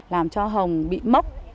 làm cho hồng bị mốc